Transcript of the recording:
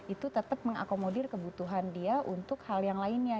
itu tetap mengakomodir kebutuhan dia untuk hal yang lainnya